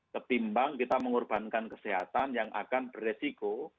ketimbang kita mengorbankan kesehatan yang akan beresiko